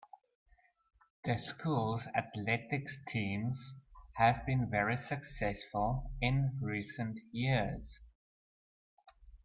The school's athletic teams have been very successful in recent years.